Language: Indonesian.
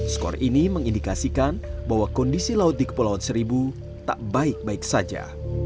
skor ini mengindikasikan bahwa kondisi laut di kepulauan seribu tak baik baik saja